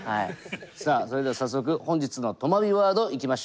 さあそれでは早速本日のとまビワードいきましょう。